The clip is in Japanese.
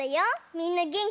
みんなげんき？